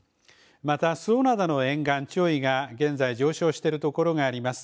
また周防灘の沿岸、潮位が現在、上昇している所があります。